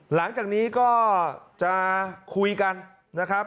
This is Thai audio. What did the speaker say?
หลังจากนี้ก็จะคุยกันนะครับ